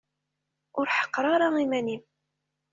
Ur ḥeqqer ara iman-im.